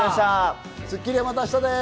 『スッキリ』はまた明日です。